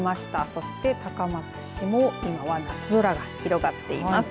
そして高松市もきょうは夏空が広がっています。